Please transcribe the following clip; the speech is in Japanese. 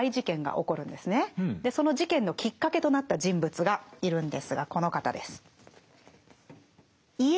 その事件のきっかけとなった人物がいるんですがこの方です。